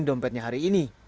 ini dompetnya hari ini